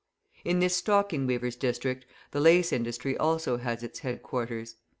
In this stocking weavers' district the lace industry also has its headquarters.